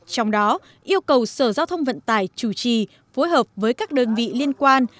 trong đó yêu cầu sở giao thông vận tải chủ trì phối hợp với các đơn vị liên quan